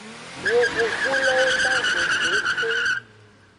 Yovogbulowo dahen kengkeng.